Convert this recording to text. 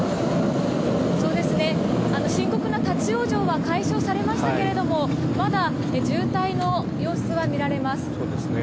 深刻な立ち往生は解消されましたがまだ渋滞の様子は見られます。